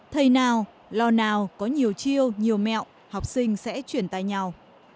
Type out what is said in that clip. thầy nào lò nào có nhiều chiêu nhiều mẹo học sinh sẽ chuyển tay nhau